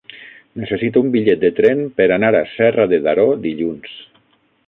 Necessito un bitllet de tren per anar a Serra de Daró dilluns.